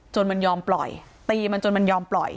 จนมันยอมปล่อยตีมันจนมันยอมปล่อย